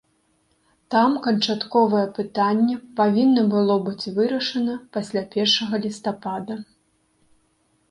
Там канчатковае пытанне павінна было быць вырашана пасля першага лістапада.